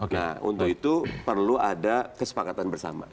nah untuk itu perlu ada kesepakatan bersama